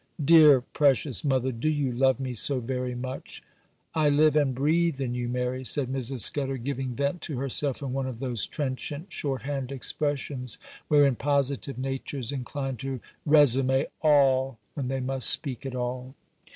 'Dear, precious mother, do you love me so very much?' 'I live and breathe in you, Mary,' said Mrs. Scudder, giving vent to herself in one of those trenchant short hand expressions, wherein positive natures incline to résumé all when they must speak at all.